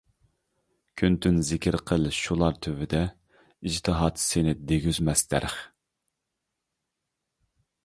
كۈن-تۈن زىكرى قىل شۇلار تۈۋىدە، ئىجتىھات سېنى دېگۈزمەس دەرىخ.